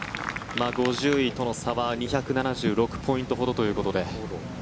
５０位との差は２７６ポイントほどということで。